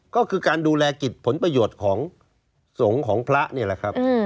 ก็คือการดูแลกิจผลประโยชน์ของสงฆ์ของพระนี่แหละครับ